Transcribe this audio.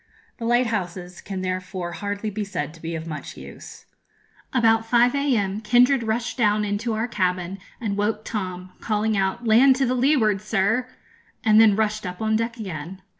The lighthouses can therefore hardly be said to be of much use. About 5 a.m. Kindred rushed down into our cabin, and woke Tom, calling out, 'Land to leeward, sir!' and then rushed up on deck again.